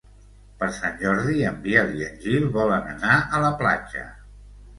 Per Sant Jordi en Biel i en Gil volen anar a la platja.